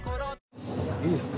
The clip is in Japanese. いいですか？